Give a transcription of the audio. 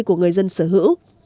của người dân sở hữu